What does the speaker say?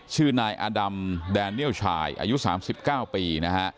ชื่อนายอดัมแดเนียลชายอายุสามสิบเก้าปีนะฮะ